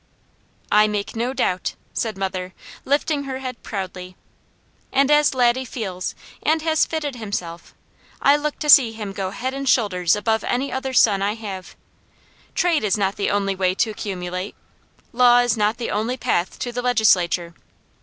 "I make no doubt!" said mother, lifting her head proudly. "And as Laddie feels and has fitted himself, I look to see him go head and shoulders above any other son I have. Trade is not the only way to accumulate. Law is not the only path to the legislature.